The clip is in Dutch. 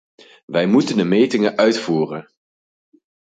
Wij moeten de metingen uitvoeren.